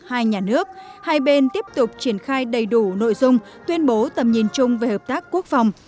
hai nhà nước hai bên tiếp tục triển khai đầy đủ nội dung tuyên bố tầm nhìn chung về hợp tác quốc phòng